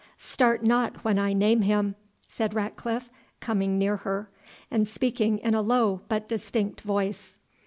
"Start not when I name him," said Ratcliffe, coming near her, and speaking in a low but distinct voice.